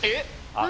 何？